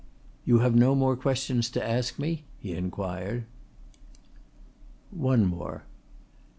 "You have no more questions to ask me?" he inquired. "One more."